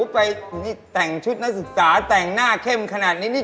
ไปแต่งชุดนักศึกษาแต่งหน้าเข้มขนาดนี้นี่